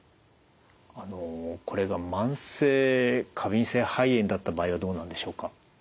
あのこれが慢性過敏性肺炎だった場合はどうなんでしょうか？